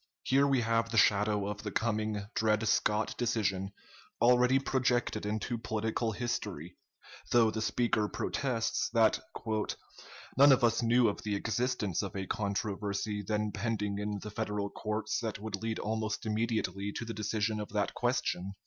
Here we have the shadow of the coming Dred Scott decision already projected into political history, though the speaker protests that "none of us knew of the existence of a controversy then pending in the Federal courts that would lead almost immediately to the decision of that question."